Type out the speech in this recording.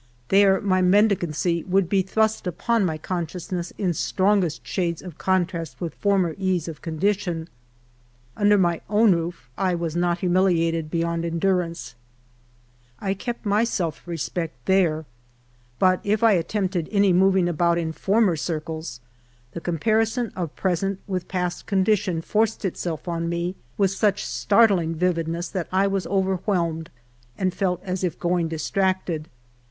There my mendicancy would be thrust upon my conscious ness in strongest shades of contrast with former ease of con dition. Under my own roof I was not humiliated beyond endurance ; I kept my self respect there ; but if I attempt ed any moving about in former circles, the comparison of present with past condition forced itself on me with such startling vividness that I was overwhelmed, and felt as if going distracted.